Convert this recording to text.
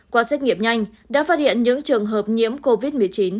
qua xét nghiệm nhanh đã phát hiện những trường hợp nhiễm covid một mươi chín